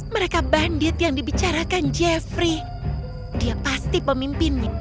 mereka bandit yang dibicarakan jeffrey dia pasti pemimpinnya